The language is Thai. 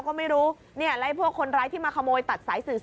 มันกลับมาที่สุดท้ายแล้วมันกลับมาที่สุดท้ายแล้ว